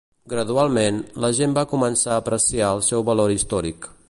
Gradualment, la gent va començar a apreciar el seu valor històric.